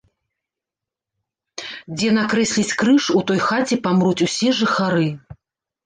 Дзе накрэсліць крыж, у той хаце памруць усе жыхары.